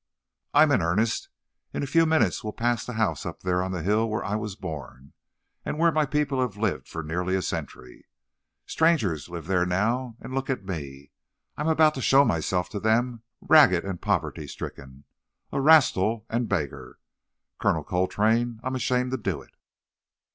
"I'm in earnest. In a few minutes we'll pass the house up there on the hill where I was born, and where my people have lived for nearly a century. Strangers live there now—and look at me! I am about to show myself to them ragged and poverty stricken, a wastrel and a beggar. Colonel Coltrane, I'm ashamed to do it.